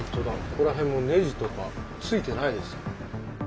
ここら辺もネジとか付いてないです。